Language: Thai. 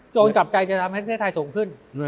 จับใจจะทำให้ประเทศไทยสูงขึ้น